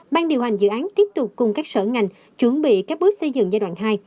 ban điều hành dự án tiếp tục cùng các sở ngành chuẩn bị các bước xây dựng giai đoạn hai